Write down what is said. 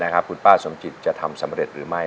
คุณป้าสมจิตจะทำสำเร็จหรือไม่